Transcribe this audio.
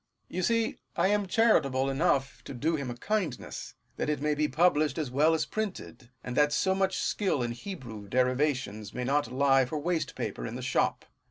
You see I am charitable euough to do him a kindness, that it may be published as well as printed ; aud that so much skill in Hebrew derivations may not lie for waste paper in the shop.